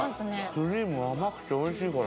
クリーム甘くておいしいこれ。